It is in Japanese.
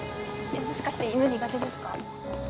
もしかして犬苦手ですか？